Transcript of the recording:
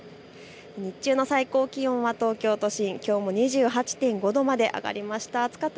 日中の最高気温は東京都心、きょうも２８．５度まで上がりました。